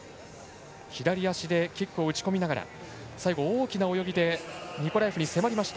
左足でキックを打ち込みながら最後、大きな泳ぎでニコラエフに迫りました。